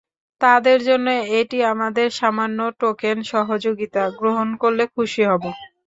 তাদের জন্য এটি আমাদের সামান্য টোকেন সহযোগিতা, গ্রহণ করলে খুশি হব।